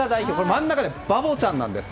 真ん中がバボちゃんなんです。